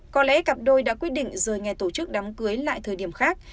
có lẽ cặp đôi đã quyết định rời ngay tổ chức đám cưới lại thời điểm khác